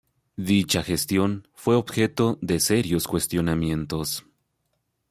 Dicha gestión fue objeto de serios cuestionamientos.